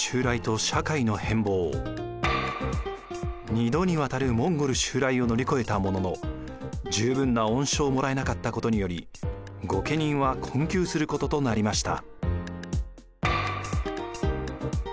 ２度にわたるモンゴル襲来を乗り越えたものの十分な恩賞をもらえなかったことにより御家人は困窮することとなりました。